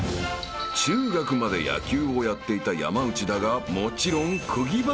［中学まで野球をやっていた山内だがもちろん］ほんでな。